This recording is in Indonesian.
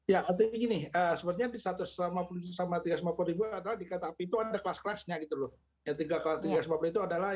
ya artinya gini sepertinya di satu ratus lima puluh sesama tiga ratus lima puluh adalah di kereta api itu ada kelas kelasnya gitu loh